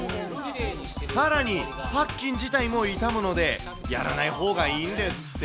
さらに、パッキン自体も傷むので、やらないほうがいいんですって。